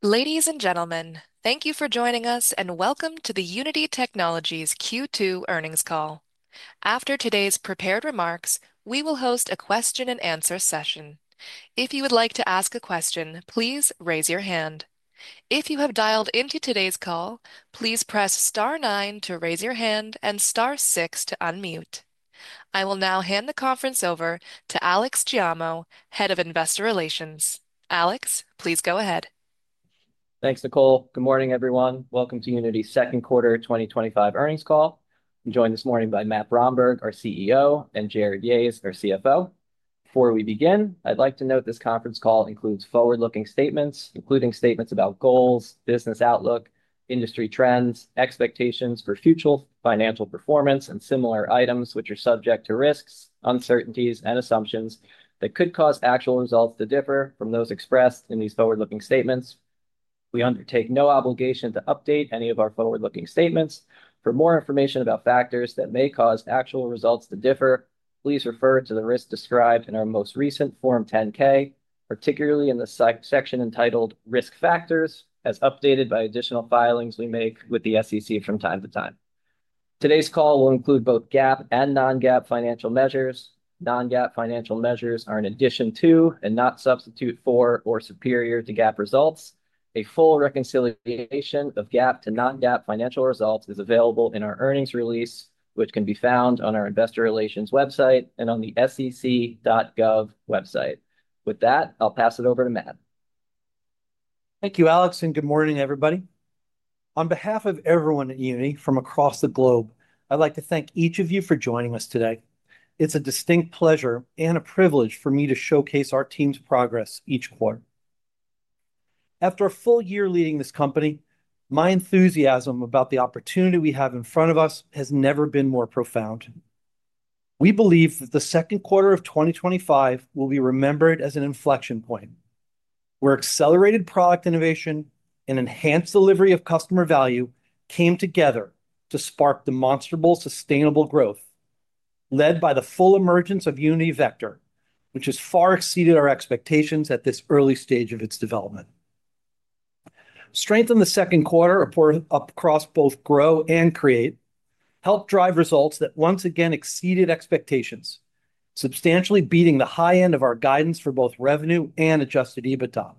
Ladies and gentlemen, thank you for joining us and welcome to the Unity Technologies Q2 earnings call. After today's prepared remarks, we will host a question and answer session. If you would like to ask a question, please raise your hand. If you have dialed into today's call, please press star nine to raise your hand and star six to unmute. I will now hand the conference over to Alex Giaimo, Head of Investor Relations. Alex, please go ahead. Thanks, Nicole. Good morning, everyone. Welcome to Unity's second quarter 2025 earnings call. I'm joined this morning by Matt Bromberg, our CEO, and Jarrod Yahes, our CFO. Before we begin, I'd like to note this conference call includes forward-looking statements, including statements about goals, business outlook, industry trends, expectations for future financial performance, and similar items, which are subject to risks, uncertainties, and assumptions that could cause actual results to differ from those expressed in these forward-looking statements. We undertake no obligation to update any of our forward-looking statements. For more information about factors that may cause actual results to differ, please refer to the risks described in our most recent Form 10-K, particularly in the section entitled Risk Factors, as updated by additional filings we make with the SEC from time to time. Today's call will include both GAAP and non-GAAP financial measures. Non-GAAP financial measures are an addition to and not a substitute for or superior to GAAP results. A full reconciliation of GAAP to non-GAAP financial results is available in our earnings release, which can be found on our investor relations website and on the sec.gov website. With that, I'll pass it over to Matt. Thank you, Alex, and good morning, everybody. On behalf of everyone at Unity from across the globe, I'd like to thank each of you for joining us today. It's a distinct pleasure and a privilege for me to showcase our team's progress each quarter. After a full year leading this company, my enthusiasm about the opportunity we have in front of us has never been more profound. We believe that the second quarter of 2025 will be remembered as an inflection point, where accelerated product innovation and enhanced delivery of customer value came together to spark demonstrable sustainable growth, led by the full emergence of Unity Vector, which has far exceeded our expectations at this early stage of its development. Strengths in the second quarter across both Grow and Create helped drive results that once again exceeded expectations, substantially beating the high end of our guidance for both revenue and adjusted EBITDA.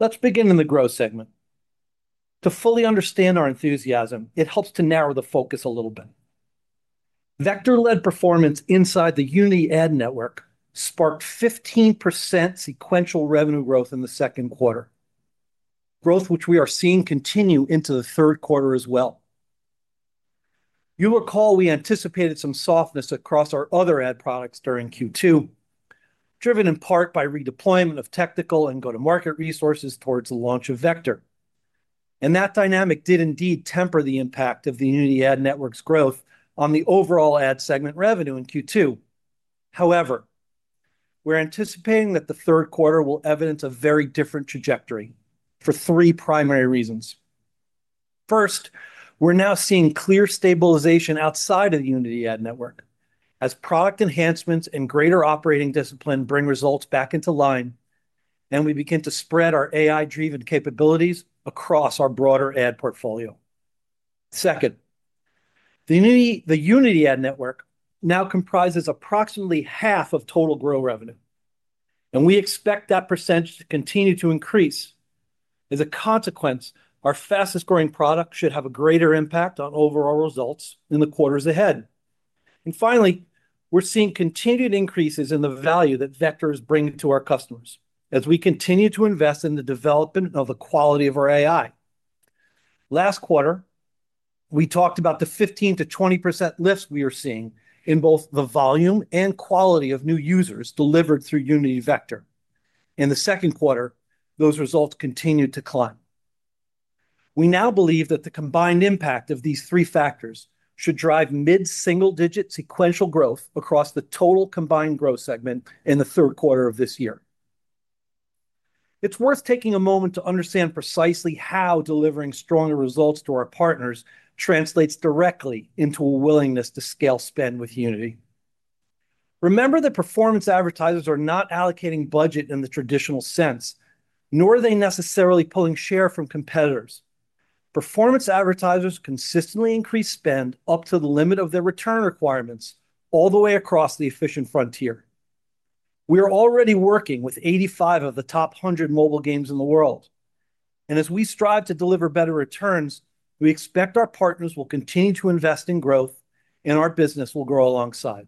Let's begin in the Grow segment. To fully understand our enthusiasm, it helps to narrow the focus a little bit. Vector-led performance inside the Unity Ad network sparked 15% sequential revenue growth in the second quarter, growth which we are seeing continue into the third quarter as well. You'll recall we anticipated some softness across our other ad products during Q2, driven in part by redeployment of technical and go-to-market resources towards the launch of Vector. That dynamic did indeed temper the impact of the Unity Ad network's growth on the overall ad segment revenue in Q2. However, we're anticipating that the third quarter will evidence a very different trajectory for three primary reasons. First, we're now seeing clear stabilization outside of the Unity Ad network, as product enhancements and greater operating discipline bring results back into line, and we begin to spread our AI-driven capabilities across our broader ad portfolio. Second, the Unity Ad network now comprises approximately half of total Grow revenue, and we expect that percentage to continue to increase. As a consequence, our fastest growing product should have a greater impact on overall results in the quarters ahead. Finally, we're seeing continued increases in the value that Vector is bringing to our customers as we continue to invest in the development of the quality of our AI. Last quarter, we talked about the 15%-20% lifts we are seeing in both the volume and quality of new users delivered through Unity Vector. In the second quarter, those results continue to climb. We now believe that the combined impact of these three factors should drive mid-single-digit sequential growth across the total combined growth segment in the third quarter of this year. It's worth taking a moment to understand precisely how delivering stronger results to our partners translates directly into a willingness to scale spend with Unity. Remember that performance advertisers are not allocating budget in the traditional sense, nor are they necessarily pulling share from competitors. Performance advertisers consistently increase spend up to the limit of their return requirements all the way across the efficient frontier. We are already working with 85 of the top 100 mobile games in the world. As we strive to deliver better returns, we expect our partners will continue to invest in growth, and our business will grow alongside.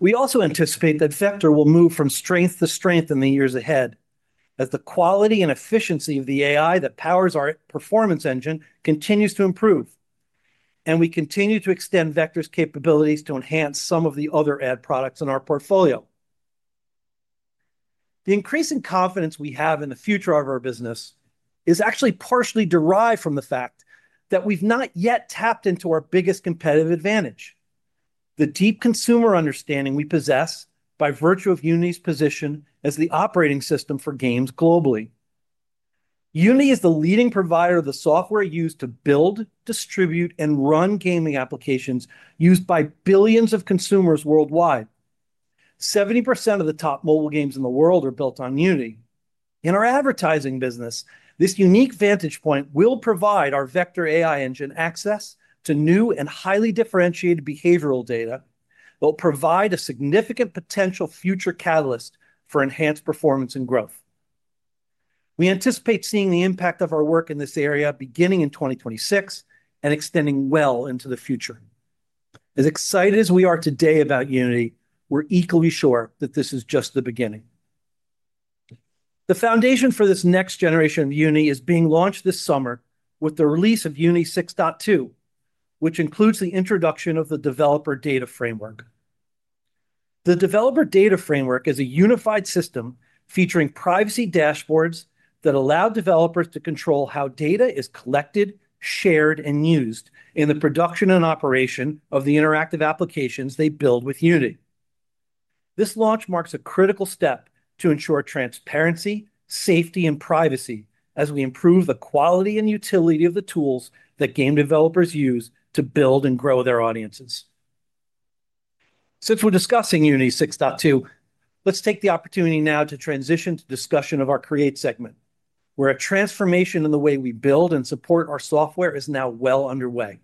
We also anticipate that Vector will move from strength to strength in the years ahead, as the quality and efficiency of the AI that powers our performance engine continues to improve, and we continue to extend Vector's capabilities to enhance some of the other ad products in our portfolio. The increase in confidence we have in the future of our business is actually partially derived from the fact that we've not yet tapped into our biggest competitive advantage, the deep consumer understanding we possess by virtue of Unity's position as the operating system for games globally. Unity is the leading provider of the software used to build, distribute, and run gaming applications used by billions of consumers worldwide. 70% of the top mobile games in the world are built on Unity. In our advertising business, this unique vantage point will provide our Vector AI engine access to new and highly differentiated behavioral data, but will provide a significant potential future catalyst for enhanced performance and growth. We anticipate seeing the impact of our work in this area beginning in 2026 and extending well into the future. As excited as we are today about Unity, we're equally sure that this is just the beginning. The foundation for this next generation of Unity is being launched this summer with the release of Unity 6.2, which includes the introduction of the Developer Data framework. The Developer Data framework is a unified system featuring privacy dashboards that allow developers to control how data is collected, shared, and used in the production and operation of the interactive applications they build with Unity. This launch marks a critical step to ensure transparency, safety, and privacy as we improve the quality and utility of the tools that game developers use to build and grow their audiences. Since we're discussing Unity 6.2, let's take the opportunity now to transition to the discussion of our Create segment, where a transformation in the way we build and support our software is now well underway.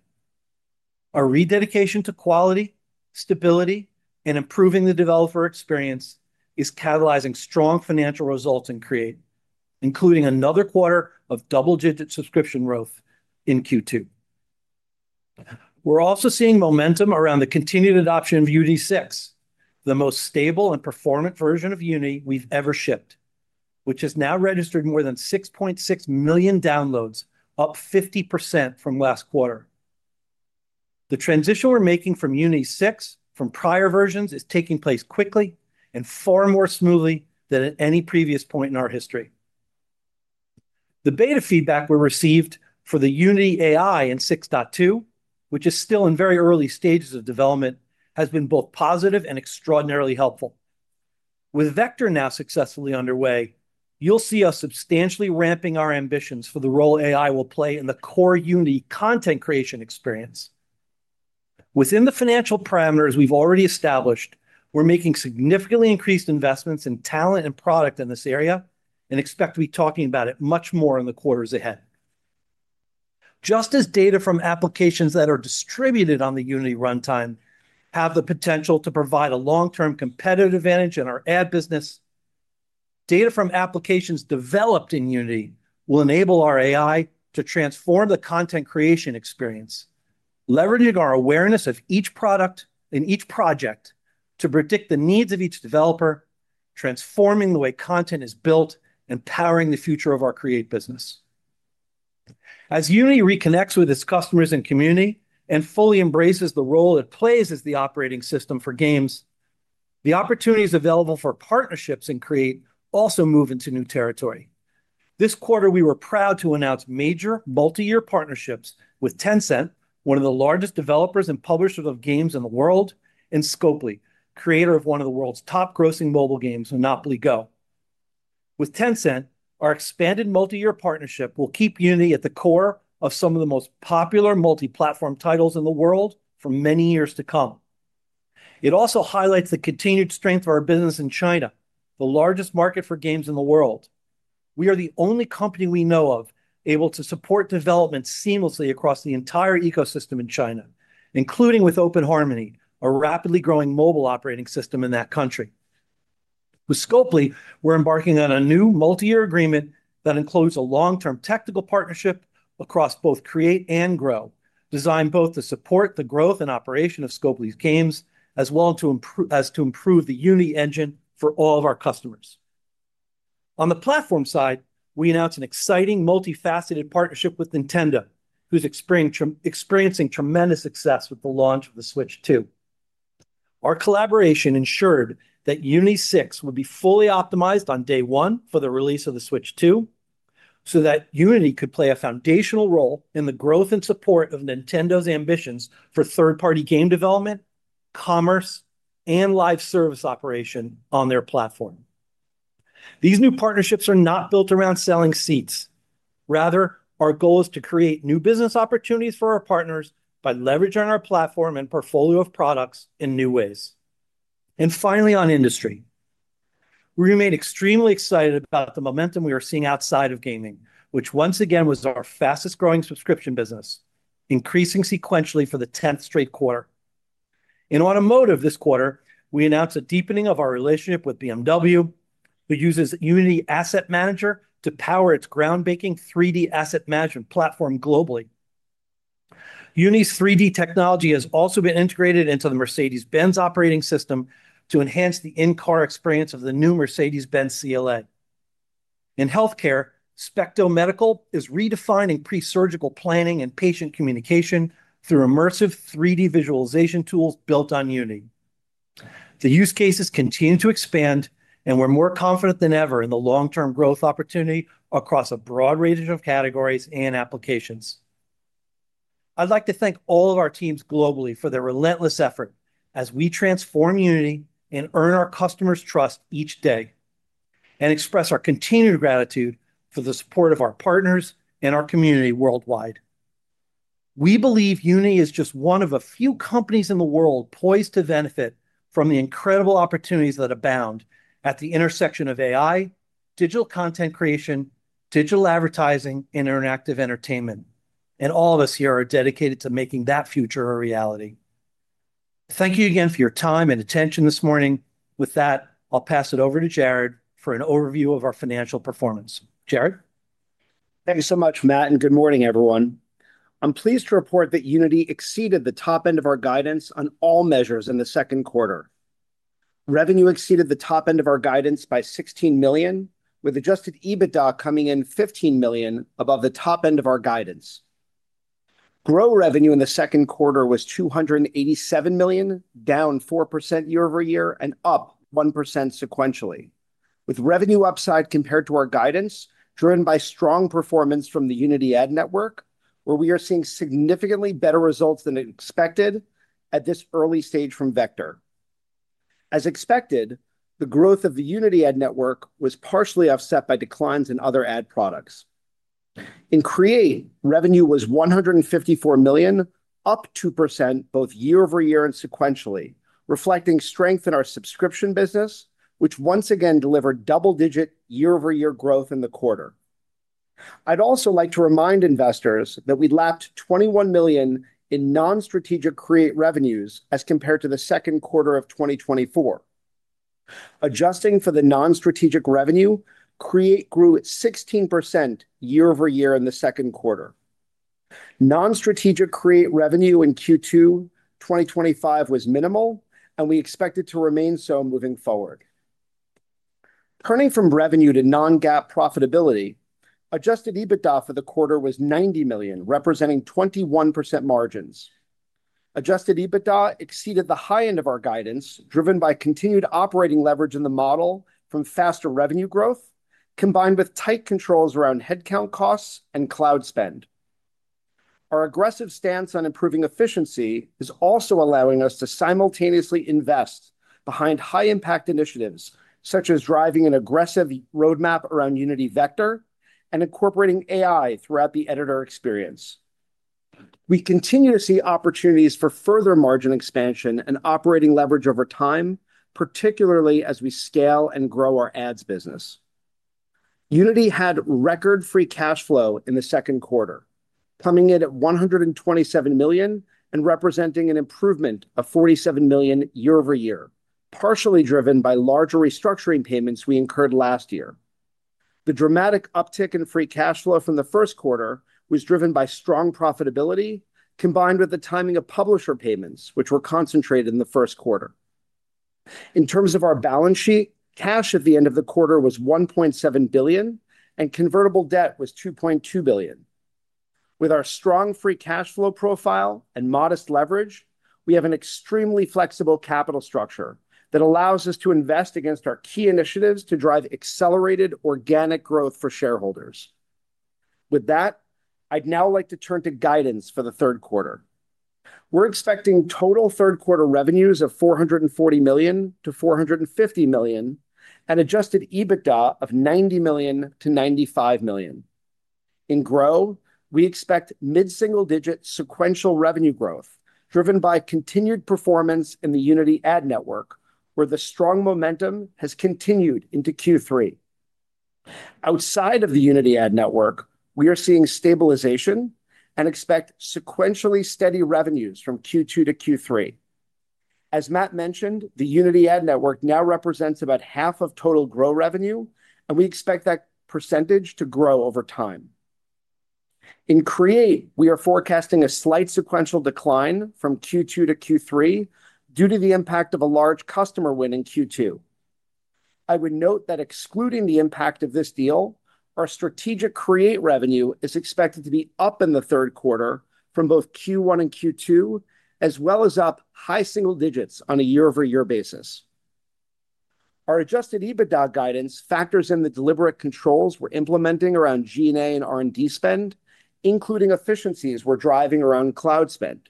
Our rededication to quality, stability, and improving the developer experience is catalyzing strong financial results in Create, including another quarter of double-digit subscription growth in Q2. We're also seeing momentum around the continued adoption of Unity 6, the most stable and performant version of Unity we've ever shipped, which has now registered more than 6.6 million downloads, up 50% from last quarter. The transition we're making from Unity 6 from prior versions is taking place quickly and far more smoothly than at any previous point in our history. The beta feedback we received for the Unity AI in 6.2, which is still in very early stages of development, has been both positive and extraordinarily helpful. With Vector now successfully underway, you'll see us substantially ramping our ambitions for the role AI will play in the core Unity content creation experience. Within the financial parameters we've already established, we're making significantly increased investments in talent and product in this area and expect to be talking about it much more in the quarters ahead. Just as data from applications that are distributed on the Unity runtime have the potential to provide a long-term competitive advantage in our ad business, data from applications developed in Unity will enable our AI to transform the content creation experience, leveraging our awareness of each product and each project to predict the needs of each developer, transforming the way content is built and powering the future of our Create business. As Unity reconnects with its customers and community and fully embraces the role it plays as the operating system for games, the opportunities available for partnerships in Create also move into new territory. This quarter, we were proud to announce major multi-year partnerships with Tencent, one of the largest developers and publishers of games in the world, and Scopely, creator of one of the world's top-grossing mobile games, Monopoly Go!. With Tencent, our expanded multi-year partnership will keep Unity at the core of some of the most popular multi-platform titles in the world for many years to come. It also highlights the continued strength of our business in China, the largest market for games in the world. We are the only company we know of able to support development seamlessly across the entire ecosystem in China, including with OpenHarmony, a rapidly growing mobile operating system in that country. With Scopely, we're embarking on a new multi-year agreement that includes a long-term technical partnership across both Create and Grow, designed both to support the growth and operation of Scopely's games, as well as to improve the Unity Engine for all of our customers. On the platform side, we announced an exciting multifaceted partnership with Nintendo, who's experiencing tremendous success with the launch of the Switch 2. Our collaboration ensured that Unity 6 would be fully optimized on day one for the release of the Switch 2, so that Unity could play a foundational role in the growth and support of Nintendo's ambitions for third-party game development, commerce, and live service operation on their platform. These new partnerships are not built around selling seats. Rather, our goal is to create new business opportunities for our partners by leveraging our platform and portfolio of products in new ways. Finally, on industry, we remain extremely excited about the momentum we are seeing outside of gaming, which once again was our fastest growing subscription business, increasing sequentially for the 10th straight quarter. In automotive, this quarter, we announced a deepening of our relationship with BMW, who uses Unity Asset Manager to power its groundbreaking 3D asset management platform globally. Unity's 3D technology has also been integrated into the Mercedes-Benz operating system to enhance the in-car experience of the new Mercedes-Benz CLA. In healthcare, Spectrum Medical is redefining pre-surgical planning and patient communication through immersive 3D visualization tools built on Unity. The use cases continue to expand, and we're more confident than ever in the long-term growth opportunity across a broad range of categories and applications. I'd like to thank all of our teams globally for their relentless effort as we transform Unity and earn our customers' trust each day, and express our continued gratitude for the support of our partners and our community worldwide. We believe Unity is just one of a few companies in the world poised to benefit from the incredible opportunities that abound at the intersection of AI, digital content creation, digital advertising, and interactive entertainment. All of us here are dedicated to making that future a reality. Thank you again for your time and attention this morning. With that, I'll pass it over to Jarrod for an overview of our financial performance. Jarrod? Thanks so much, Matt, and good morning, everyone. I'm pleased to report that Unity exceeded the top end of our guidance on all measures in the second quarter. Revenue exceeded the top end of our guidance by $16 million, with adjusted EBITDA coming in $15 million above the top end of our guidance. Grow revenue in the second quarter was $287 million, down 4% year-over-year and up 1% sequentially, with revenue upside compared to our guidance driven by strong performance from the Unity Ad network, where we are seeing significantly better results than expected at this early stage from Vector. As expected, the growth of the Unity Ad network was partially offset by declines in other ad products. In Create, revenue was $154 million, up 2% both year-over-year and sequentially, reflecting strength in our subscription business, which once again delivered double-digit year-over-year growth in the quarter. I'd also like to remind investors that we lapped $21 million in non-strategic Create revenues as compared to the second quarter of 2024. Adjusting for the non-strategic revenue, Create grew 16% year-over-year in the second quarter. Non-strategic Create revenue in Q2 2025 was minimal, and we expect it to remain so moving forward. Turning from revenue to non-GAAP profitability, adjusted EBITDA for the quarter was $90 million, representing 21% margins. Adjusted EBITDA exceeded the high end of our guidance, driven by continued operating leverage in the model from faster revenue growth, combined with tight controls around headcount costs and cloud spend. Our aggressive stance on improving efficiency is also allowing us to simultaneously invest behind high-impact initiatives, such as driving an aggressive roadmap around Unity Vector and incorporating AI throughout the editor experience. We continue to see opportunities for further margin expansion and operating leverage over time, particularly as we scale and grow our ads business. Unity had record free cash flow in the second quarter, coming in at $127 million and representing an improvement of $47 million year-over-year, partially driven by larger restructuring payments we incurred last year. The dramatic uptick in free cash flow from the first quarter was driven by strong profitability, combined with the timing of publisher payments, which were concentrated in the first quarter. In terms of our balance sheet, cash at the end of the quarter was $1.7 billion, and convertible debt was $2.2 billion. With our strong free cash flow profile and modest leverage, we have an extremely flexible capital structure that allows us to invest against our key initiatives to drive accelerated organic growth for shareholders. With that, I'd now like to turn to guidance for the third quarter. We're expecting total third quarter revenues of $440 million-$450 million and adjusted EBITDA of $90 million-$95 million. In Grow, we expect mid-single-digit sequential revenue growth, driven by continued performance in the Unity Ad network, where the strong momentum has continued into Q3. Outside of the Unity Ad network, we are seeing stabilization and expect sequentially steady revenues from Q2 to Q3. As Matt mentioned, the Unity Ad network now represents about half of total Grow revenue, and we expect that percentage to grow over time. In Create, we are forecasting a slight sequential decline from Q2 to Q3 due to the impact of a large customer win in Q2. I would note that excluding the impact of this deal, our strategic Create revenue is expected to be up in the third quarter from both Q1 and Q2, as well as up high single digits on a year-over-year basis. Our adjusted EBITDA guidance factors in the deliberate controls we're implementing around G&A and R&D spend, including efficiencies we're driving around cloud spend.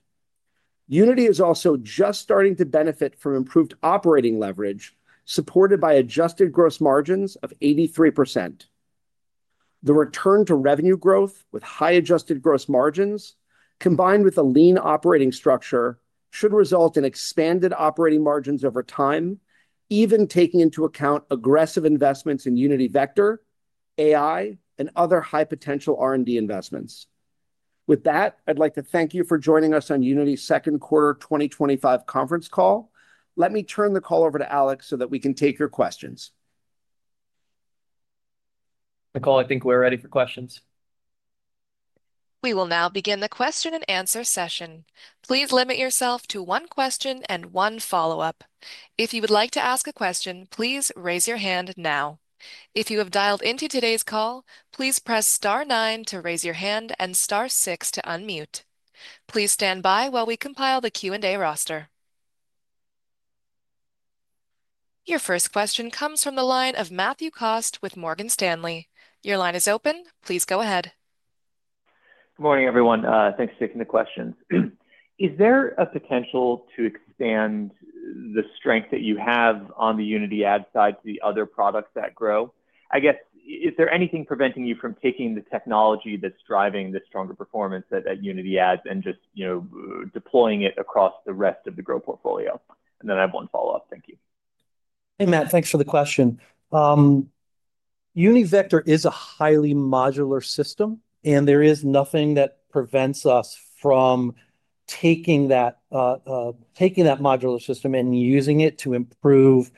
Unity is also just starting to benefit from improved operating leverage supported by adjusted gross margins of 83%. The return to revenue growth with high adjusted gross margins, combined with a lean operating structure, should result in expanded operating margins over time, even taking into account aggressive investments in Unity Vector, AI, and other high-potential R&D investments. With that, I'd like to thank you for joining us on Unity's second quarter 2025 conference call. Let me turn the call over to Alex so that we can take your questions. Nicole, I think we're ready for questions. We will now begin the question and answer session. Please limit yourself to one question and one follow-up. If you would like to ask a question, please raise your hand now. If you have dialed into today's call, please press star nine to raise your hand and star six to unmute. Please stand by while we compile the Q&A roster. Your first question comes from the line of Matthew Cost with Morgan Stanley. Your line is open. Please go ahead. Morning, everyone. Thanks for taking the questions. Is there a potential to expand the strength that you have on the Unity Ad side to the other products that grow? Is there anything preventing you from taking the technology that's driving the stronger performance at Unity Ads and just deploying it across the rest of the Grow portfolio? I have one follow-up. Thank you. Hey, Matt, thanks for the question. Unity Vector is a highly modular system, and there is nothing that prevents us from taking that modular system and using it to improve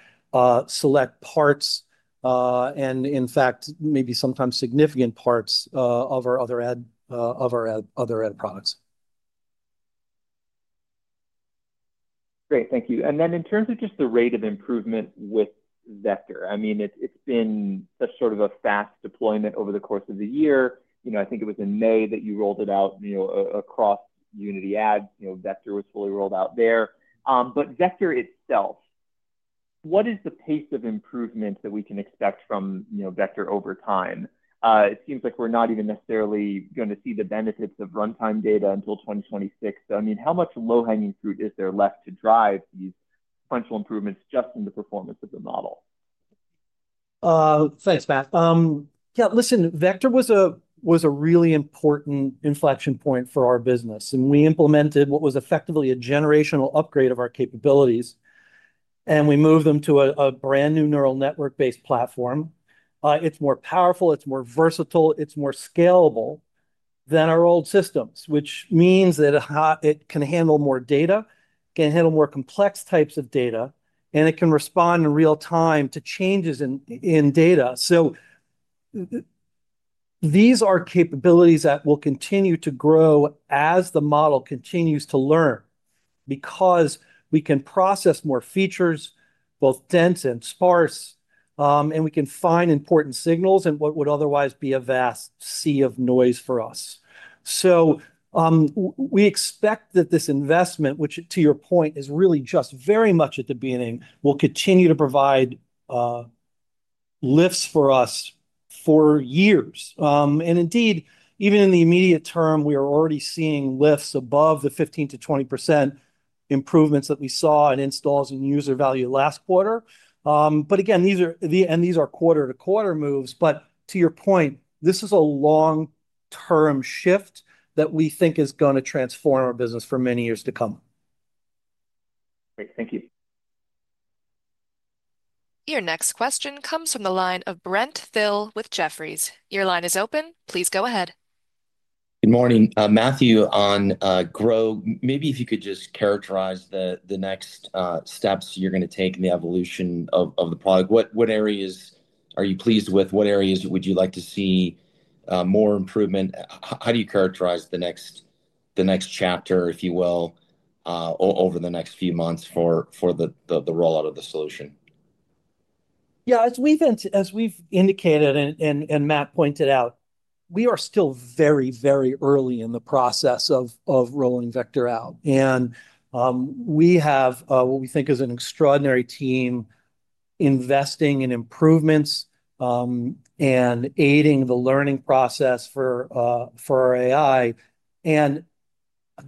select parts and, in fact, maybe sometimes significant parts of our other ad products. Great, thank you. In terms of just the rate of improvement with Vector, it's been a sort of a fast deployment over the course of the year. I think it was in May that you rolled it out across Unity Ad. Vector was fully rolled out there. Vector itself, what is the pace of improvement that we can expect from Vector over time? It seems like we're not even necessarily going to see the benefits of runtime data until 2026. How much low-hanging fruit is there left to drive these potential improvements just in the performance of the model? Thanks, Matt. Yeah, listen, Vector was a really important inflection point for our business, and we implemented what was effectively a generational upgrade of our capabilities, and we moved them to a brand new neural network-based platform. It's more powerful, it's more versatile, it's more scalable than our old systems, which means that it can handle more data, can handle more complex types of data, and it can respond in real time to changes in data. These are capabilities that will continue to grow as the model continues to learn because we can process more features, both dense and sparse, and we can find important signals in what would otherwise be a vast sea of noise for us. We expect that this investment, which to your point is really just very much at the beginning, will continue to provide lifts for us for years. Indeed, even in the immediate term, we are already seeing lifts above the 15%-20% improvements that we saw in installs and user value last quarter. Again, these are quarter-to-quarter moves. To your point, this is a long-term shift that we think is going to transform our business for many years to come. Great, thank you. Your next question comes from the line of Brent Thill with Jefferies. Your line is open. Please go ahead. Good morning, Matthew. On Grow, maybe if you could just characterize the next steps you're going to take in the evolution of the product. What areas are you pleased with? What areas would you like to see more improvement? How do you characterize the next chapter, if you will, over the next few months for the rollout of the solution? Yeah, as we've indicated and Matt pointed out, we are still very, very early in the process of rolling Vector out. We have what we think is an extraordinary team investing in improvements and aiding the learning process for our AI. It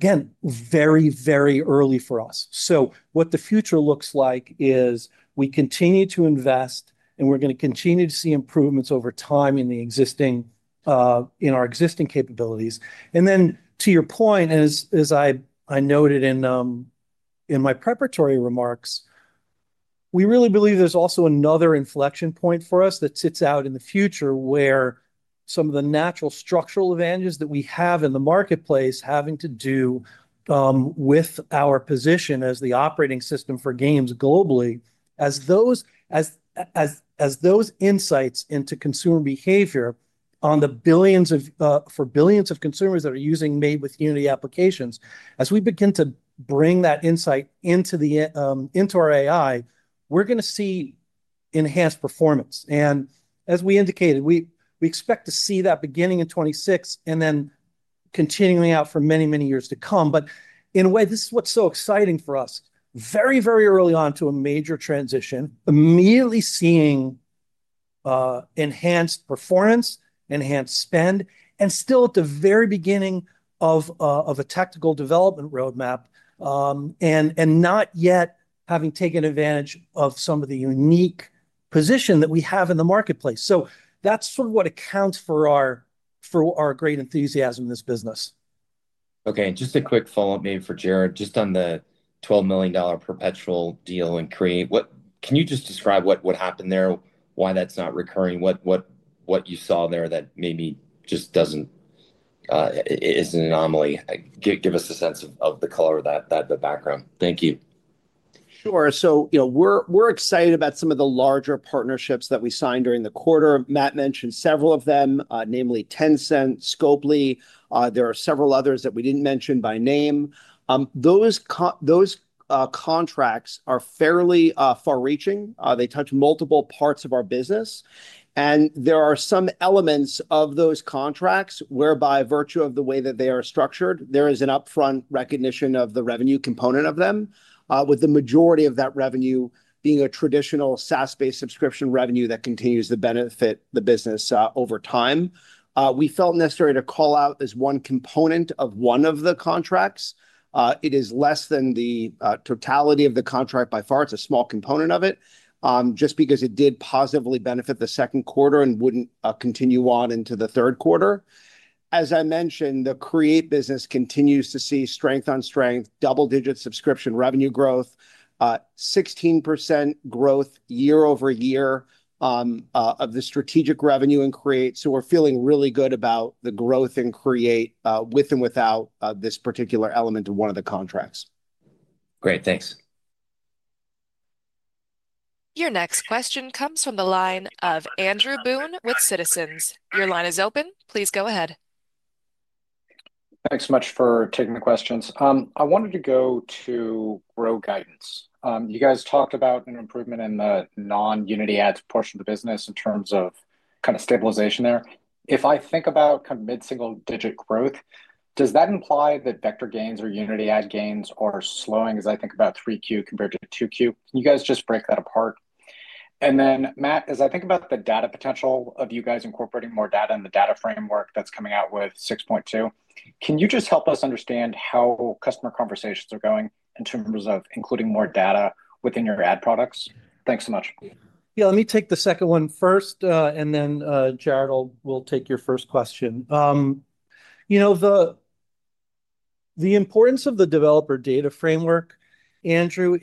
is very, very early for us. What the future looks like is we continue to invest and we're going to continue to see improvements over time in our existing capabilities. To your point, as I noted in my preparatory remarks, we really believe there's also another inflection point for us that sits out in the future where some of the natural structural advantages that we have in the marketplace, having to do with our position as the operating system for games globally, as those insights into consumer behavior for billions of consumers that are using made-with-Unity applications, as we begin to bring that insight into our AI, we're going to see enhanced performance. As we indicated, we expect to see that beginning in 2026 and then continuing out for many, many years to come. In a way, this is what's so exciting for us. Very, very early on to a major transition, immediately seeing enhanced performance, enhanced spend, and still at the very beginning of a technical development roadmap and not yet having taken advantage of some of the unique position that we have in the marketplace. That is what accounts for our great enthusiasm in this business. OK, and just a quick follow-up maybe for Jarrod, just on the $12 million perpetual deal in Create. Can you just describe what happened there, why that's not recurring, what you saw there that maybe just doesn't is an anomaly? Give us a sense of the color of the background. Thank you. Sure. We're excited about some of the larger partnerships that we signed during the quarter. Matt mentioned several of them, namely Tencent and Scopely. There are several others that we didn't mention by name. Those contracts are fairly far-reaching. They touch multiple parts of our business. There are some elements of those contracts whereby, by virtue of the way that they are structured, there is an upfront recognition of the revenue component of them, with the majority of that revenue being a traditional SaaS-based subscription revenue that continues to benefit the business over time. We felt it necessary to call out this one component of one of the contracts. It is less than the totality of the contract by far. It's a small component of it, just because it did positively benefit the second quarter and wouldn't continue on into the third quarter. As I mentioned, the Create business continues to see strength on strength, double-digit subscription revenue growth, 16% growth year-over-year of the strategic revenue in Create. We're feeling really good about the growth in Create with and without this particular element of one of the contracts. Great, thanks. Your next question comes from the line of Andrew Boone with Citizens. Your line is open. Please go ahead. Thanks so much for taking the questions. I wanted to go to Grow guidance. You guys talked about an improvement in the non-Unity Ad portion of the business in terms of kind of stabilization there. If I think about kind of mid-single-digit growth, does that imply that Vector gains or Unity Ad gains are slowing as I think about 3Q compared to 2Q? Can you guys just break that apart? Matt, as I think about the data potential of you guys incorporating more data in the Data framework that's coming out with 6.2, can you just help us understand how customer conversations are going in terms of including more data within your ad products? Thanks so much. Let me take the second one first, and then Jarrod will take your first question. The importance of the Developer Data framework, Andrew,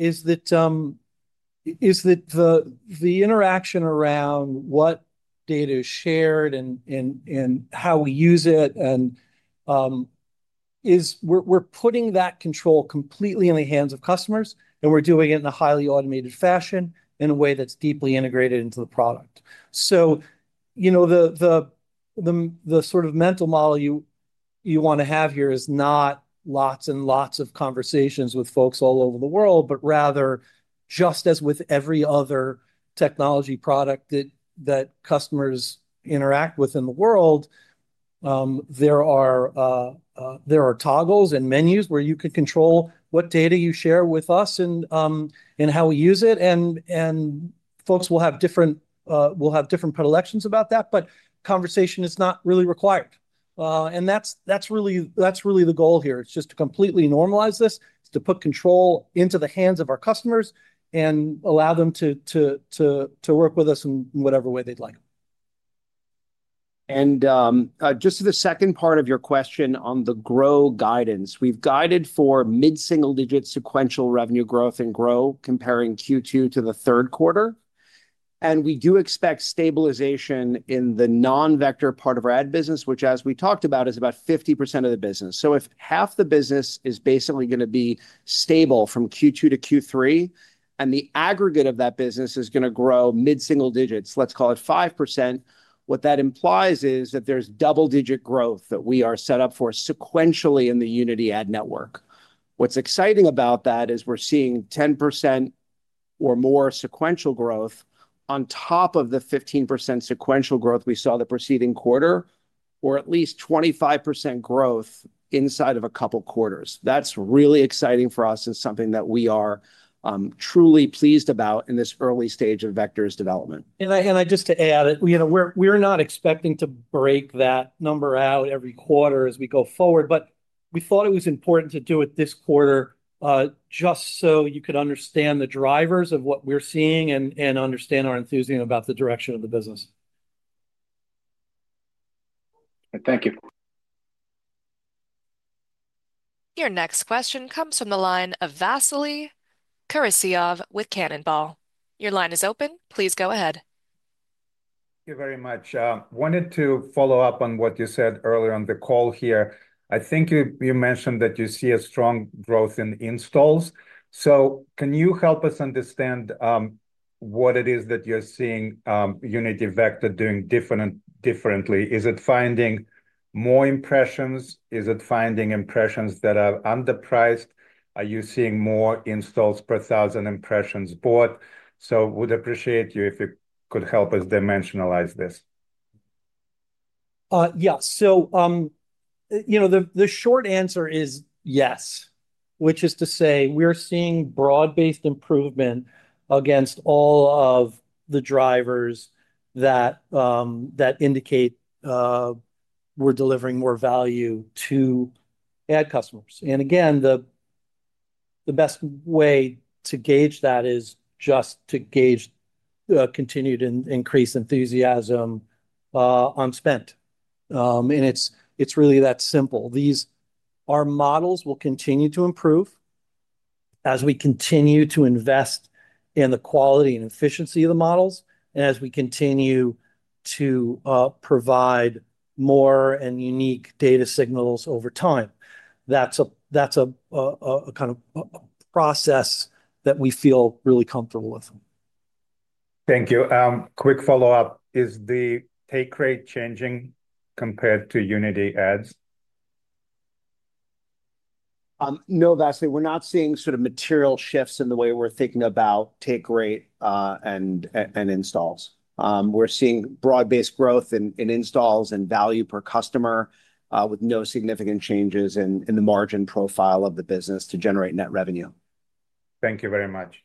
is that the interaction around what data is shared and how we use it, and we're putting that control completely in the hands of customers, and we're doing it in a highly automated fashion in a way that's deeply integrated into the product. The sort of mental model you want to have here is not lots and lots of conversations with folks all over the world, but rather, just as with every other technology product that customers interact with in the world, there are toggles and menus where you can control what data you share with us and how we use it. Folks will have different predilections about that, but conversation is not really required. That's really the goal here. It's just to completely normalize this, to put control into the hands of our customers, and allow them to work with us in whatever way they'd like. To the second part of your question on the Grow guidance, we've guided for mid-single-digit sequential revenue growth in Grow, comparing Q2 to the third quarter. We do expect stabilization in the non-Vector part of our ad business, which, as we talked about, is about 50% of the business. If half the business is basically going to be stable from Q2 to Q3, and the aggregate of that business is going to grow mid-single digits, let's call it 5%, what that implies is that there's double-digit growth that we are set up for sequentially in the Unity Ad network. What's exciting about that is we're seeing 10% or more sequential growth on top of the 15% sequential growth we saw the preceding quarter, or at least 25% growth inside of a couple quarters. That's really exciting for us and something that we are truly pleased about in this early stage of Vector's development. We're not expecting to break that number out every quarter as we go forward, but we thought it was important to do it this quarter just so you could understand the drivers of what we're seeing and understand our enthusiasm about the direction of the business. Thank you. Your next question comes from the line of Vasily Karasyov with Cannonball. Your line is open. Please go ahead. Thank you very much. I wanted to follow up on what you said earlier on the call here. I think you mentioned that you see a strong growth in installs. Can you help us understand what it is that you're seeing Unity Vector doing differently? Is it finding more impressions? Is it finding impressions that are underpriced? Are you seeing more installs per 1,000 impressions bought? We'd appreciate you if you could help us dimensionalize this. Yeah, the short answer is yes, which is to say we're seeing broad-based improvement against all of the drivers that indicate we're delivering more value to ad customers. The best way to gauge that is just to gauge the continued increased enthusiasm on spend. It's really that simple. Our models will continue to improve as we continue to invest in the quality and efficiency of the models and as we continue to provide more and unique data signals over time. That's a kind of process that we feel really comfortable with. Thank you. Quick follow-up. Is the take rate changing compared to Unity Ads? No, Vasily, we're not seeing sort of material shifts in the way we're thinking about take rate and installs. We're seeing broad-based growth in installs and value per customer, with no significant changes in the margin profile of the business to generate net revenue. Thank you very much.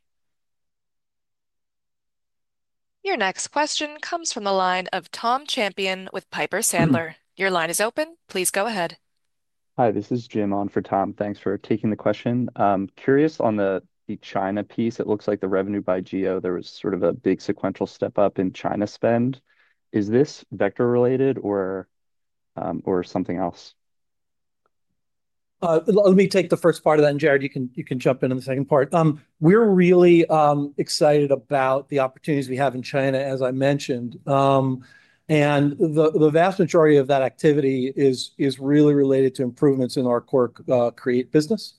Your next question comes from the line of Tom Champion with Piper Sandler. Your line is open. Please go ahead. Hi, this is Jim on for Tom. Thanks for taking the question. Curious on the China piece. It looks like the revenue by GEO, there was a big sequential step up in China spend. Is this Vector related or something else? Let me take the first part of that, and Jarrod, you can jump in on the second part. We're really excited about the opportunities we have in China, as I mentioned. The vast majority of that activity is really related to improvements in our core Create business,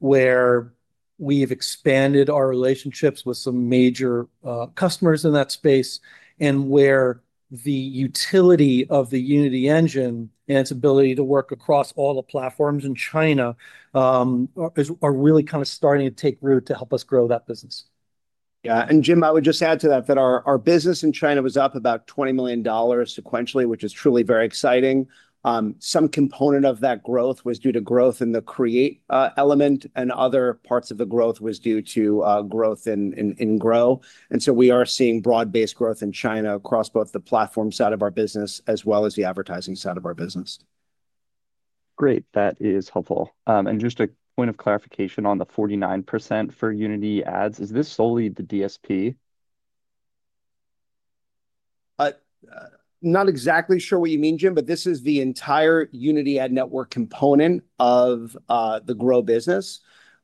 where we've expanded our relationships with some major customers in that space and where the utility of the Unity Engine and its ability to work across all the platforms in China are really kind of starting to take root to help us grow that business. Yeah, and Jim, I would just add to that that our business in China was up about $20 million sequentially, which is truly very exciting. Some component of that growth was due to growth in the Create element, and other parts of the growth was due to growth in Grow. We are seeing broad-based growth in China across both the platform side of our business as well as the advertising side of our business. Great, that is helpful. Just a point of clarification on the 49% for Unity Ads, is this solely the DSP? Not exactly sure what you mean, Jim, but this is the entire Unity Ad network component of the Grow business.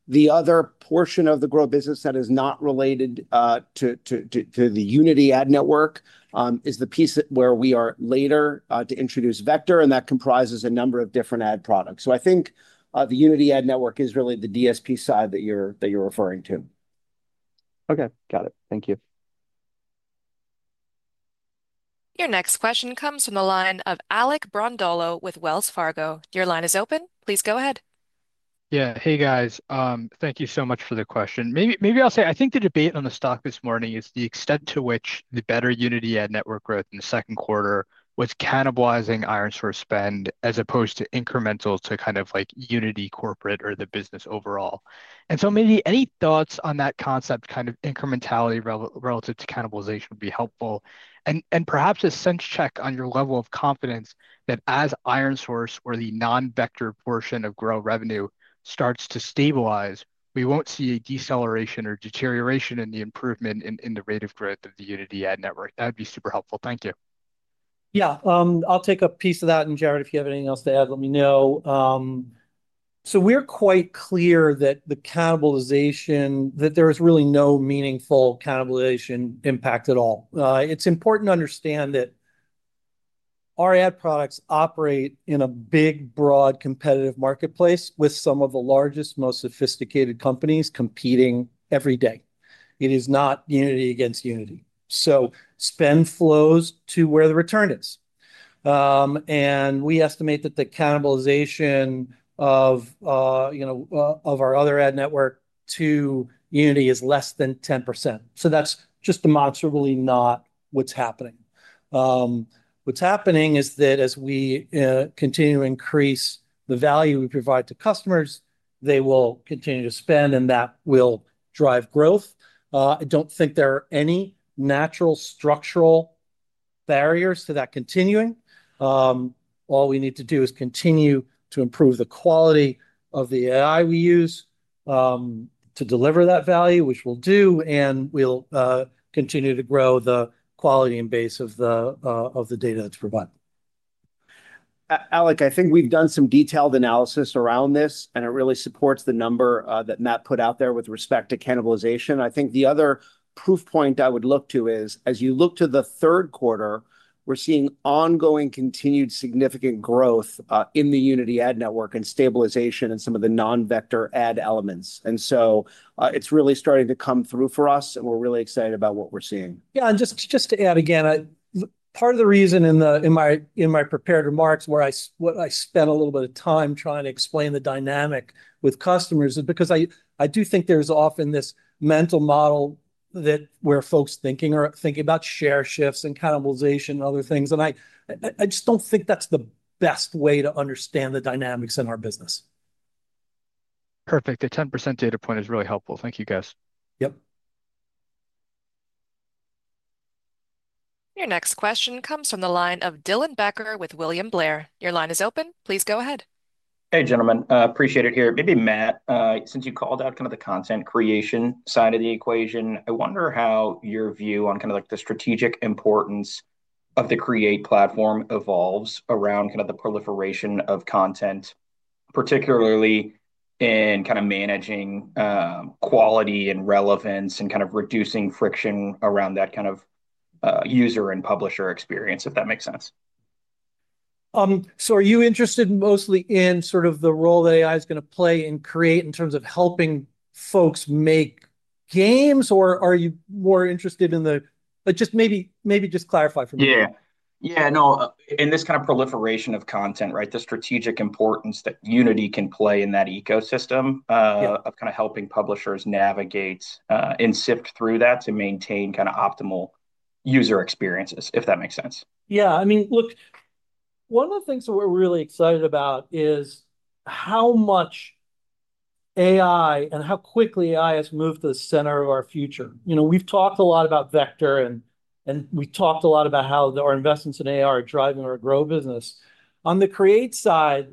The other portion of the Grow business that is not related to the Unity Ad network is the piece where we are later to introduce Vector, and that comprises a number of different ad products. I think the Unity Ad network is really the DSP side that you're referring to. OK, got it. Thank you. Your next question comes from the line of Alec Brondolo with Wells Fargo. Your line is open. Please go ahead. Yeah, hey guys, thank you so much for the question. Maybe I'll say, I think the debate on the stock this morning is the extent to which the better Unity Ad network growth in the second quarter was cannibalizing ironSource spend as opposed to incremental to kind of like Unity corporate or the business overall. Any thoughts on that concept, kind of incrementality relative to cannibalization would be helpful. Perhaps a sense check on your level of confidence that as ironSource or the non-Vector portion of Grow revenue starts to stabilize, we won't see a deceleration or deterioration in the improvement in the rate of growth of the Unity Ad network. That would be super helpful. Thank you. I'll take a piece of that. Jarrod, if you have anything else to add, let me know. We're quite clear that the cannibalization, that there is really no meaningful cannibalization impact at all. It's important to understand that our ad products operate in a big, broad competitive marketplace with some of the largest, most sophisticated companies competing every day. It is not Unity against Unity. Spend flows to where the return is. We estimate that the cannibalization of our other ad network to Unity is less than 10%. That's just demonstrably not what's happening. What's happening is that as we continue to increase the value we provide to customers, they will continue to spend, and that will drive growth. I don't think there are any natural structural barriers to that continuing. All we need to do is continue to improve the quality of the AI we use to deliver that value, which we'll do, and we'll continue to grow the quality and base of the data that's provided. Alec, I think we've done some detailed analysis around this, and it really supports the number that Matt put out there with respect to cannibalization. I think the other proof point I would look to is, as you look to the third quarter, we're seeing ongoing continued significant growth in the Unity Ad network and stabilization in some of the non-Vector ad elements. It is really starting to come through for us, and we're really excited about what we're seeing. Yeah, just to add again, part of the reason in my prepared remarks where I spent a little bit of time trying to explain the dynamic with customers is because I do think there's often this mental model where folks are thinking about share shifts and cannibalization and other things. I just don't think that's the best way to understand the dynamics in our business. Perfect. The 10% data point is really helpful. Thank you, guys. Yep. Your next question comes from the line of Dylan Becker with William Blair. Your line is open. Please go ahead. Hey, gentlemen. Appreciate it here. Maybe Matt, since you called out kind of the content creation side of the equation, I wonder how your view on kind of like the strategic importance of the Create platform evolves around kind of the proliferation of content, particularly in kind of managing quality and relevance and kind of reducing friction around that kind of user and publisher experience, if that makes sense. Are you interested mostly in the role the AI is going to play in Create in terms of helping folks make games, or are you more interested in the—just maybe clarify for me. In this kind of proliferation of content, the strategic importance that Unity can play in that ecosystem of helping publishers navigate and sift through that to maintain optimal user experiences, if that makes sense. Yeah, I mean, look, one of the things that we're really excited about is how much AI and how quickly AI has moved to the center of our future. You know, we've talked a lot about Vector, and we've talked a lot about how our investments in AI are driving our Grow business. On the Create side,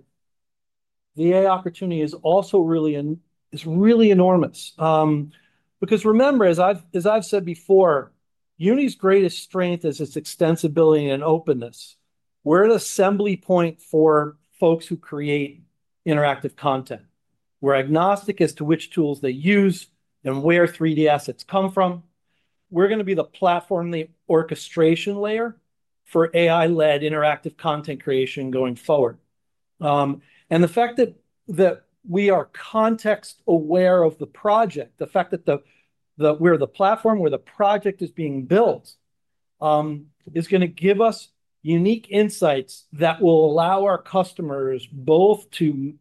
the AI opportunity is also really enormous because remember, as I've said before, Unity's greatest strength is its extensibility and openness. We're an assembly point for folks who create interactive content. We're agnostic as to which tools they use and where 3D assets come from. We're going to be the platform, the orchestration layer for AI-led interactive content creation going forward. The fact that we are context-aware of the project, the fact that we're the platform where the project is being built, is going to give us unique insights that will allow our customers both to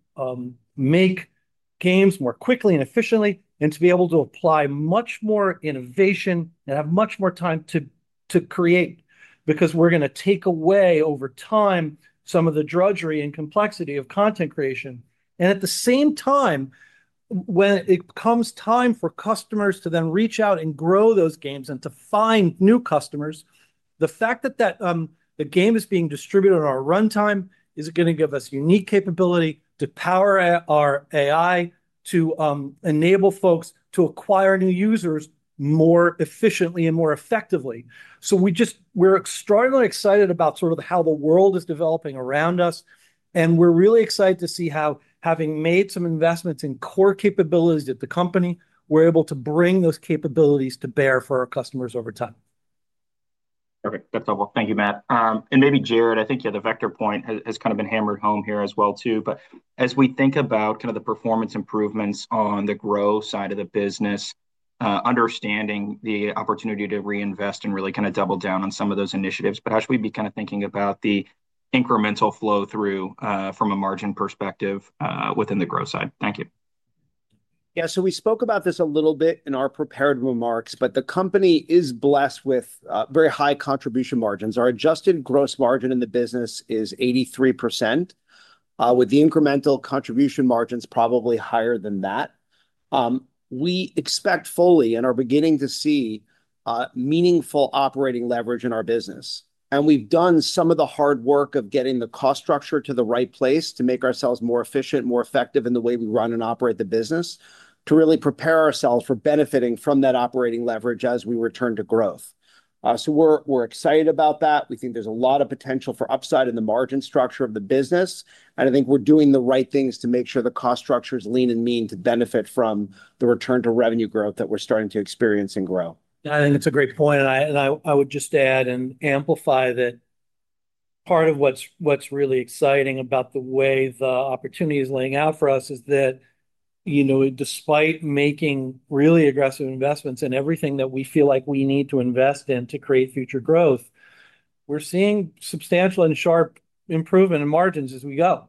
make games more quickly and efficiently and to be able to apply much more innovation and have much more time to create because we're going to take away over time some of the drudgery and complexity of content creation. At the same time, when it comes time for customers to then reach out and grow those games and to find new customers, the fact that the game is being distributed on our runtime is going to give us unique capability to power our AI to enable folks to acquire new users more efficiently and more effectively. We are extraordinarily excited about sort of how the world is developing around us. We're really excited to see how, having made some investments in core capabilities at the company, we're able to bring those capabilities to bear for our customers over time. OK, that's helpful. Thank you, Matt. Maybe, Jarrod, I think the Vector point has kind of been hammered home here as well, too. As we think about the performance improvements on the Grow side of the business, understanding the opportunity to reinvest and really kind of double down on some of those initiatives, we'd be kind of thinking about the incremental flow-through from a margin perspective within the Grow side. Thank you. We spoke about this a little bit in our prepared remarks, but the company is blessed with very high contribution margins. Our adjusted gross margin in the business is 83%, with the incremental contribution margins probably higher than that. We expect fully and are beginning to see meaningful operating leverage in our business. We've done some of the hard work of getting the cost structure to the right place to make ourselves more efficient, more effective in the way we run and operate the business, to really prepare ourselves for benefiting from that operating leverage as we return to growth. We're excited about that. We think there's a lot of potential for upside in the margin structure of the business. I think we're doing the right things to make sure the cost structure is lean and mean to benefit from the return to revenue growth that we're starting to experience in Grow. I think that's a great point. I would just add and amplify that part of what's really exciting about the way the opportunity is laying out for us is that, despite making really aggressive investments in everything that we feel like we need to invest in to create future growth, we're seeing substantial and sharp improvement in margins as we go.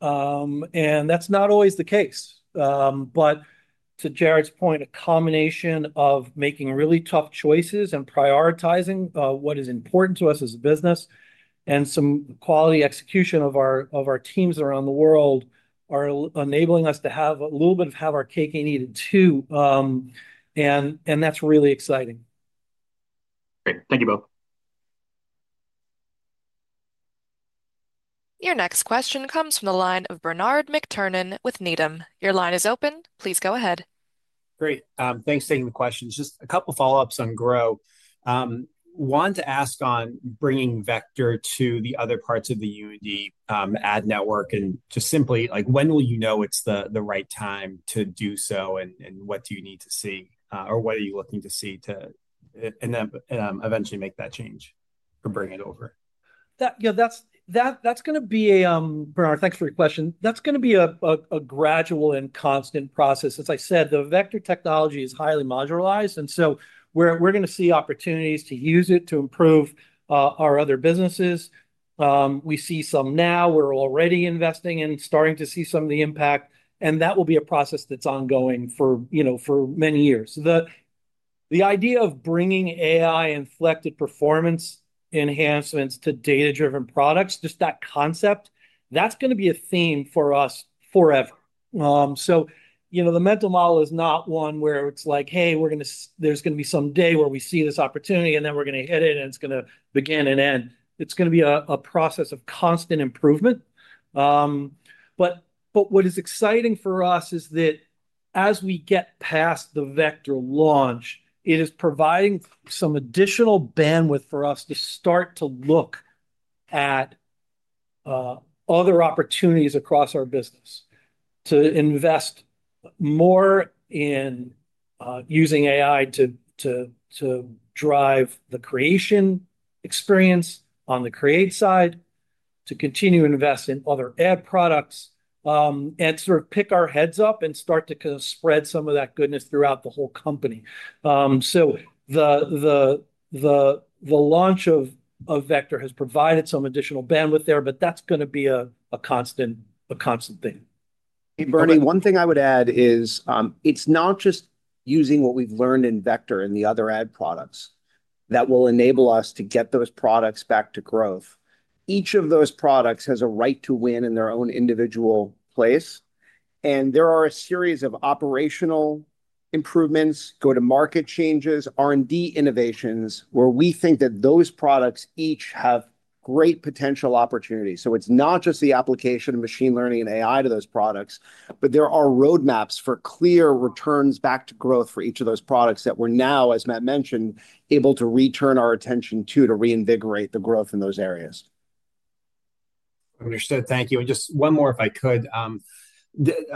That's not always the case. To Jarrod's point, a combination of making really tough choices and prioritizing what is important to us as a business and some quality execution of our teams around the world are enabling us to have a little bit of our cake and eat it, too. That's really exciting. Great, thank you both. Your next question comes from the line of Bernard McTernan with Needham. Your line is open. Please go ahead. Great, thanks for taking the question. Just a couple of follow-ups on Grow. One's asked on bringing Vector to the other parts of the Unity Ad network, and just simply, like, when will you know it's the right time to do so, and what do you need to see or what are you looking to see to eventually make that change or bring it over? Yeah, that's going to be a gradual and constant process. Bernard, thanks for your question. That's going to be a gradual and constant process. As I said, the Vector technology is highly modularized, and we are going to see opportunities to use it to improve our other businesses. We see some now. We are already investing and starting to see some of the impact. That will be a process that's ongoing for many years. The idea of bringing AI-inflected performance enhancements to data-driven products, just that concept, that's going to be a theme for us forever. The mental model is not one where it's like, hey, there's going to be some day where we see this opportunity and then we're going to hit it and it's going to begin and end. It is going to be a process of constant improvement. What is exciting for us is that as we get past the Vector launch, it is providing some additional bandwidth for us to start to look at other opportunities across our business to invest more in using AI to drive the creation experience on the Create side, to continue to invest in other ad products, and sort of pick our heads up and start to kind of spread some of that goodness throughout the whole company. The launch of Vector has provided some additional bandwidth there, but that's going to be a constant thing. Hey, Bernie, one thing I would add is it's not just using what we've learned in Vector and the other ad products that will enable us to get those products back to growth. Each of those products has a right to win in their own individual place. There are a series of operational improvements, go-to-market changes, and R&D innovations where we think that those products each have great potential opportunities. It's not just the application of machine learning and AI to those products, but there are roadmaps for clear returns back to growth for each of those products that we're now, as Matt mentioned, able to return our attention to to reinvigorate the growth in those areas. Understood. Thank you. Just one more, if I could,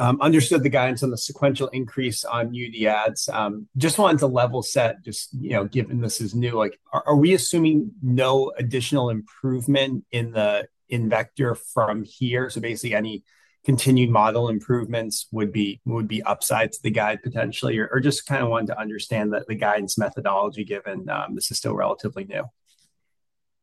understood the guidance on the sequential increase on Unity Ads. I just wanted to level set, just, you know, given this is new, like, are we assuming no additional improvement in Vector from here? Basically, any continued model improvements would be upside to the guide potentially, or just kind of wanted to understand the guidance methodology given this is still relatively new.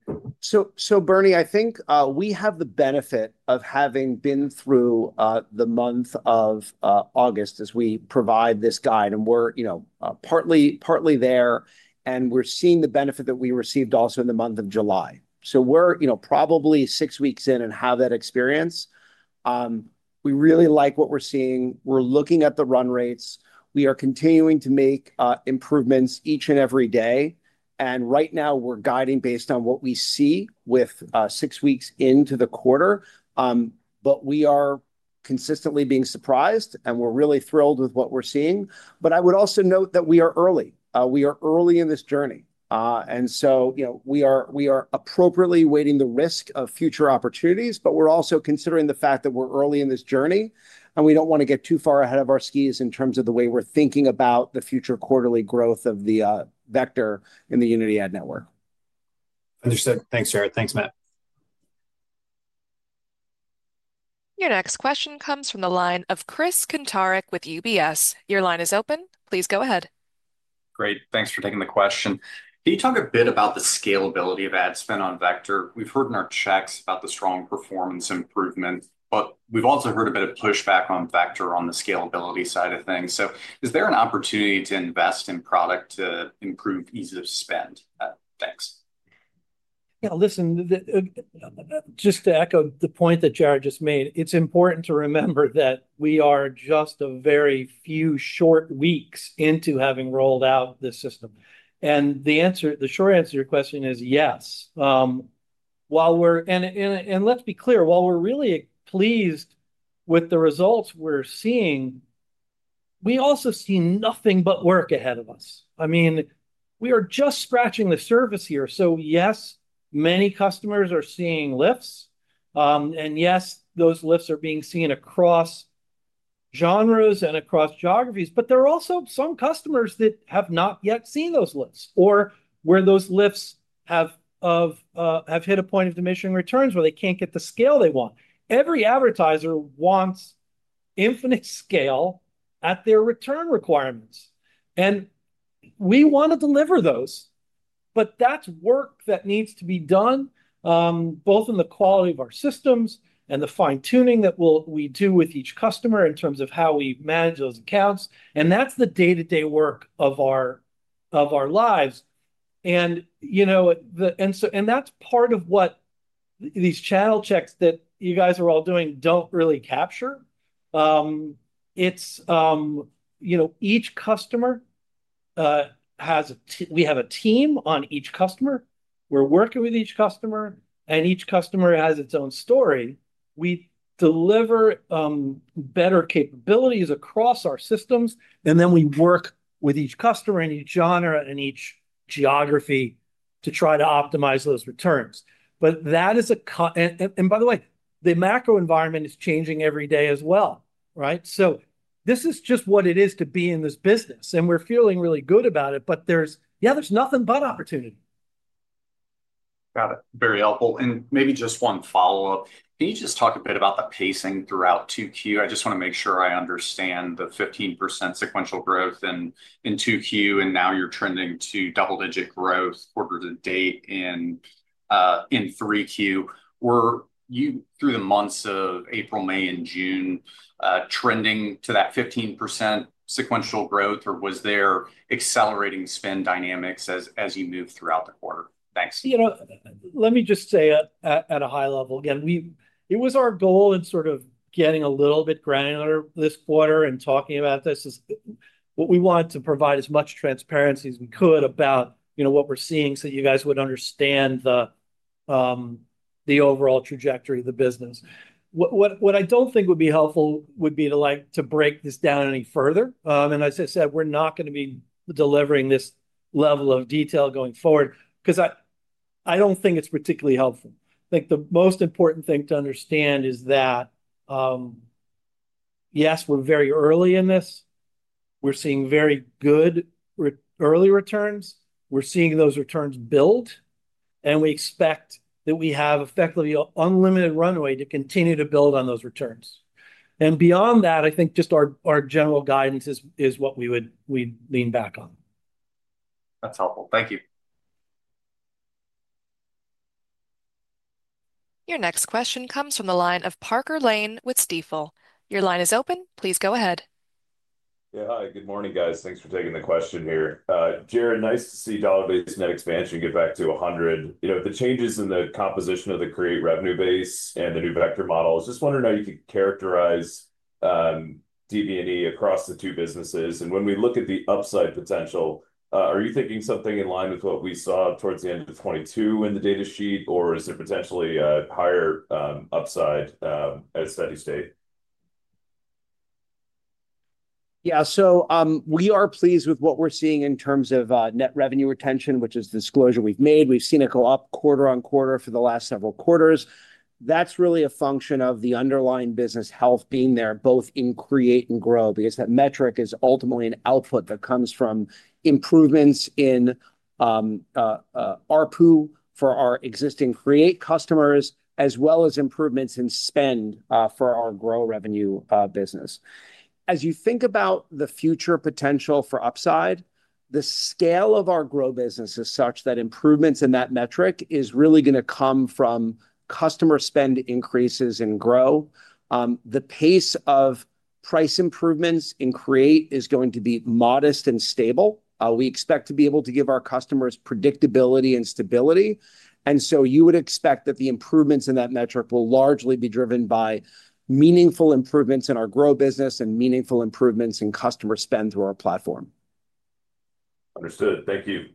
I think we have the benefit of having been through the month of August as we provide this guide. We're partly there, and we're seeing the benefit that we received also in the month of July. We're probably six weeks in and have that experience. We really like what we're seeing. We're looking at the run rates. We are continuing to make improvements each and every day. Right now, we're guiding based on what we see with six weeks into the quarter. We are consistently being surprised, and we're really thrilled with what we're seeing. I would also note that we are early. We are early in this journey, so we are appropriately weighing the risk of future opportunities, but we're also considering the fact that we're early in this journey, and we don't want to get too far ahead of our skis in terms of the way we're thinking about the future quarterly growth of the Vector in the Unity Ad network. Understood. Thanks, Jarrod. Thanks, Matt. Your next question comes from the line of Chris Kuntarich with UBS. Your line is open. Please go ahead. Great, thanks for taking the question. Can you talk a bit about the scalability of ad spend on Vector? We've heard in our checks about the strong performance improvement, but we've also heard a bit of pushback on Vector on the scalability side of things. Is there an opportunity to invest in product to improve ease of spend? Thanks. Yeah, listen, just to echo the point that Jarrod just made, it's important to remember that we are just a very few short weeks into having rolled out this system. The answer, the short answer to your question is yes. Let's be clear, while we're really pleased with the results we're seeing, we also see nothing but work ahead of us. I mean, we are just scratching the surface here. Yes, many customers are seeing lifts, and yes, those lifts are being seen across genres and across geographies. There are also some customers that have not yet seen those lifts or where those lifts have hit a point of diminishing returns where they can't get the scale they want. Every advertiser wants infinite scale at their return requirements. We want to deliver those, but that's work that needs to be done, both in the quality of our systems and the fine-tuning that we do with each customer in terms of how we manage those accounts. That's the day-to-day work of our lives. That's part of what these channel checks that you guys are all doing don't really capture. Each customer has a team. We have a team on each customer. We're working with each customer, and each customer has its own story. We deliver better capabilities across our systems, and then we work with each customer in each genre and each geography to try to optimize those returns. That is a, and by the way, the macro environment is changing every day as well, right? This is just what it is to be in this business. We're feeling really good about it. There's nothing but opportunity. Got it. Very helpful. Maybe just one follow-up. Can you just talk a bit about the pacing throughout 2Q? I just want to make sure I understand the 15% sequential growth in 2Q, and now you're trending to double-digit growth quarter to date in 3Q. Were you, through the months of April, May, and June, trending to that 15% sequential growth, or was there accelerating spend dynamics as you moved throughout the quarter? Thanks. Let me just say at a high level, again, it was our goal in sort of getting a little bit granular this quarter and talking about this. We wanted to provide as much transparency as we could about what we're seeing so that you guys would understand the overall trajectory of the business. What I don't think would be helpful would be to break this down any further. As I said, we're not going to be delivering this level of detail going forward because I don't think it's particularly helpful. I think the most important thing to understand is that, yes, we're very early in this. We're seeing very good early returns. We're seeing those returns build, and we expect that we have effectively unlimited runway to continue to build on those returns. Beyond that, I think just our general guidance is what we would lean back on. That's helpful. Thank you. Your next question comes from the line of Parker Lane with Stifel. Your line is open. Please go ahead. Yeah, hi. Good morning, guys. Thanks for taking the question here. Jarrod, nice to see dollar-based net expansion get back to 100%. You know, the changes in the composition of the Create revenue base and the new Vector model, I was just wondering how you could characterize DV&E across the two businesses. When we look at the upside potential, are you thinking something in line with what we saw towards the end of 2022 in the data sheet, or is it potentially a higher upside as studies date? We are pleased with what we're seeing in terms of net revenue retention, which is the disclosure we've made. We've seen it go up quarter on quarter for the last several quarters. That's really a function of the underlying business health being there both in Create and Grow because that metric is ultimately an output that comes from improvements in ARPU for our existing Create customers, as well as improvements in spend for our Grow revenue business. As you think about the future potential for upside, the scale of our Grow business is such that improvements in that metric are really going to come from customer spend increases in Grow. The pace of price improvements in Create is going to be modest and stable. We expect to be able to give our customers predictability and stability. You would expect that the improvements in that metric will largely be driven by meaningful improvements in our Grow business and meaningful improvements in customer spend through our platform. Understood. Thank you.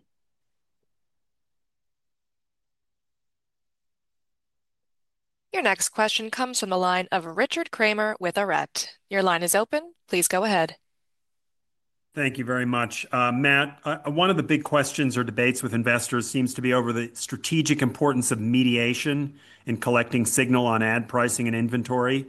Your next question comes from the line of Richard Kramer with Arete. Your line is open. Please go ahead. Thank you very much. Matt, one of the big questions or debates with investors seems to be over the strategic importance of mediation in collecting signal on ad pricing and inventory.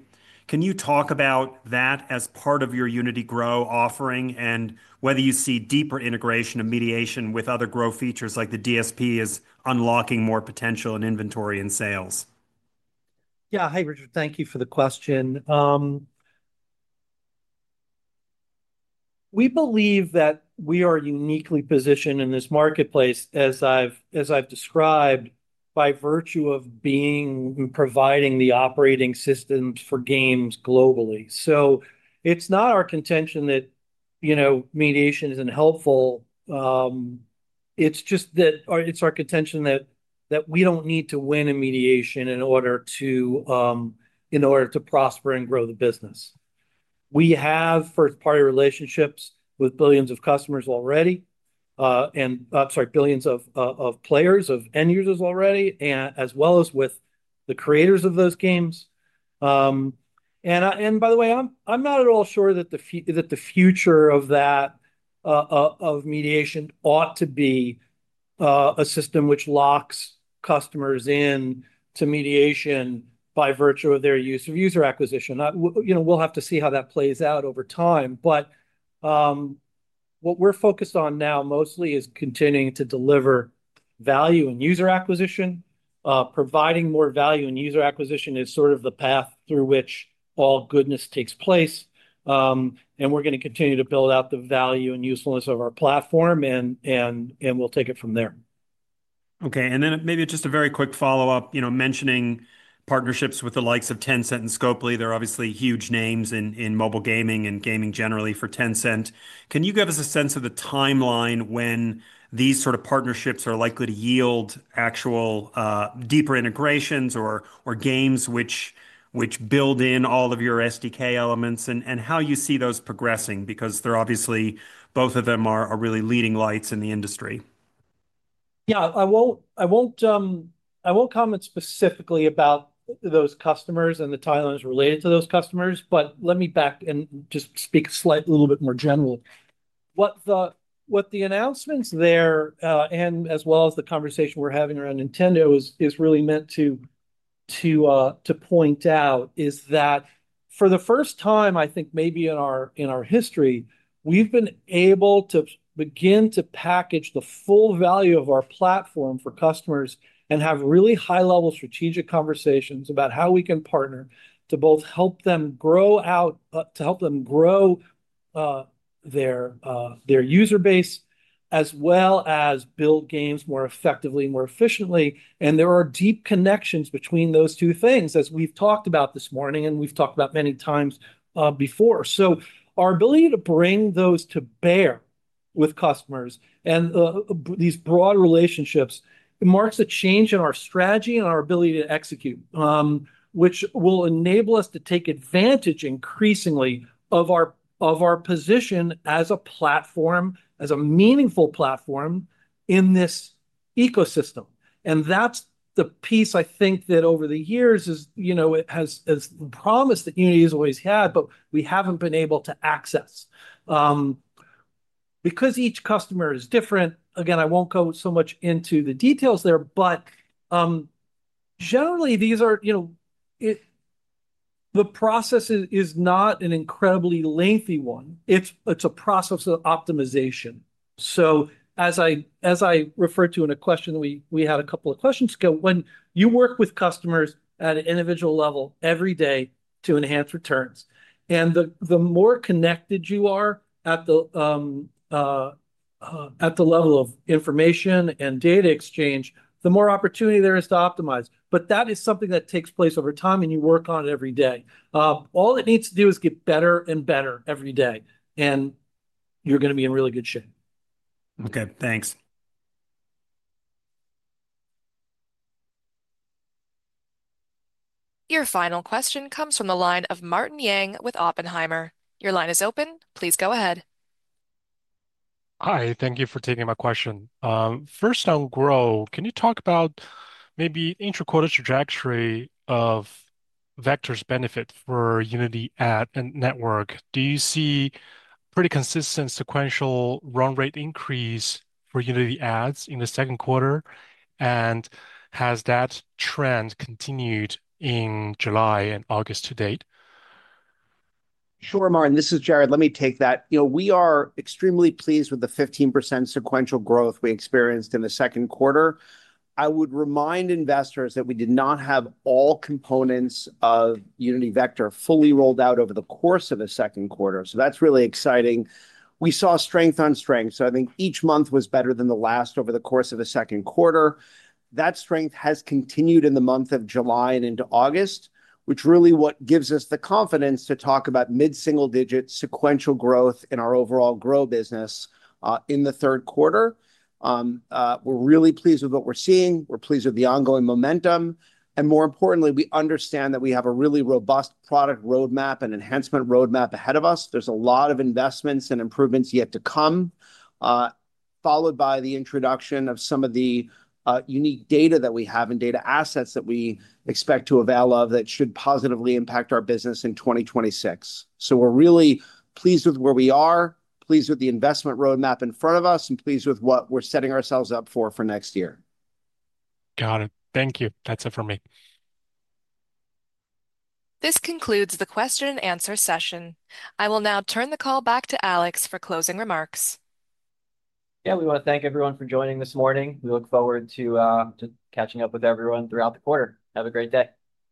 Can you talk about that as part of your Unity Grow offering, and whether you see deeper integration and mediation with other Grow features like the DSP as unlocking more potential in inventory and sales? Yeah, hey, Richard, thank you for the question. We believe that we are uniquely positioned in this marketplace, as I've described, by virtue of being providing the operating system for games globally. It's not our contention that mediation isn't helpful. It's just that it's our contention that we don't need to win a mediation in order to prosper and grow the business. We have first-party relationships with billions of players, of end users already, as well as with the creators of those games. By the way, I'm not at all sure that the future of that mediation ought to be a system which locks customers into mediation by virtue of their use of user acquisition. We'll have to see how that plays out over time. What we're focused on now mostly is continuing to deliver value in user acquisition. Providing more value in user acquisition is sort of the path through which all goodness takes place. We're going to continue to build out the value and usefulness of our platform, and we'll take it from there. OK, and then maybe just a very quick follow-up, you know, mentioning partnerships with the likes of Tencent and Scopely. They're obviously huge names in mobile gaming and gaming generally for Tencent. Can you give us a sense of the timeline when these sort of partnerships are likely to yield actual deeper integrations or games which build in all of your SDK elements and how you see those progressing? Because they're obviously, both of them are really leading lights in the industry. Yeah, I won't comment specifically about those customers and the timelines related to those customers, but let me back and just speak a little bit more general. What the announcements there, as well as the conversation we're having around Nintendo, is really meant to point out is that for the first time, I think maybe in our history, we've been able to begin to package the full value of our platform for customers and have really high-level strategic conversations about how we can partner to both help them grow out, to help them grow their user base, as well as build games more effectively and more efficiently. There are deep connections between those two things, as we've talked about this morning and we've talked about many times before. Our ability to bring those to bear with customers and these broad relationships marks a change in our strategy and our ability to execute, which will enable us to take advantage increasingly of our position as a platform, as a meaningful platform in this ecosystem. That's the piece I think that over the years has promised that Unity has always had, but we haven't been able to access. Because each customer is different, again, I won't go so much into the details there, but generally, the process is not an incredibly lengthy one. It's a process of optimization. As I referred to in a question that we had a couple of questions ago, when you work with customers at an individual level every day to enhance returns, and the more connected you are at the level of information and data exchange, the more opportunity there is to optimize. That is something that takes place over time, and you work on it every day. All it needs to do is get better and better every day, and you're going to be in really good shape. OK, thanks. Your final question comes from the line of Martin Yang with Oppenheimer. Your line is open. Please go ahead. Hi, thank you for taking my question. First, on Grow, can you talk about maybe intra-quarter trajectory of Vector's benefit for Unity Ad network? Do you see a pretty consistent sequential run rate increase for Unity Ads in the second quarter? Has that trend continued in July and August to date? Sure, Martin, this is Jarrod. Let me take that. We are extremely pleased with the 15% sequential growth we experienced in the second quarter. I would remind investors that we did not have all components of Unity Vector fully rolled out over the course of the second quarter. That's really exciting. We saw strength on strength. I think each month was better than the last over the course of the second quarter. That strength has continued in the month of July and into August, which really gives us the confidence to talk about mid-single-digit sequential growth in our overall Grow business in the third quarter. We're really pleased with what we're seeing. We're pleased with the ongoing momentum. More importantly, we understand that we have a really robust product roadmap and enhancement roadmap ahead of us. There's a lot of investments and improvements yet to come, followed by the introduction of some of the unique data that we have and data assets that we expect to avail of that should positively impact our business in 2026. We're really pleased with where we are, pleased with the investment roadmap in front of us, and pleased with what we're setting ourselves up for for next year. Got it. Thank you. That's it for me. This concludes the question and answer session. I will now turn the call back to Alex for closing remarks. Yeah, we want to thank everyone for joining this morning. We look forward to catching up with everyone throughout the quarter. Have a great day.